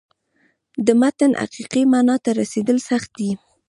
د متن حقیقي معنا ته رسېدل سخت دي.